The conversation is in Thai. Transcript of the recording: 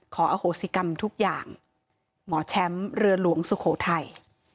ขออโหสิกรรมทุกอย่างหมอแชมป์เรือหลวงสุโขทัย